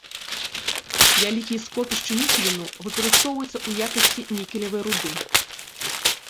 Вялікія скопішчы нікеліну выкарыстоўваюцца ў якасці нікелевай руды.